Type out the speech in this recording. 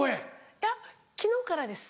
いや昨日からです。